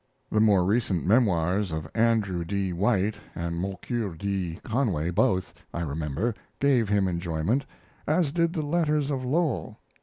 The more recent Memoirs of Andrew D. White and Moncure D. Conway both, I remember, gave him enjoyment, as did the Letters of Lowell.